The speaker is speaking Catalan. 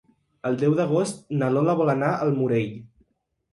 El deu d'agost na Lola vol anar al Morell.